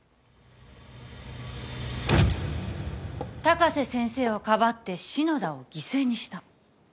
高瀬先生をかばって篠田を犠牲にした。